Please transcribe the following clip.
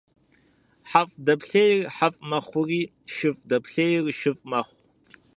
ХьэфӀ дэплъейр хьэфӀ мэхъури, шыфӀ дэплъейр шыфӀ мэхъу.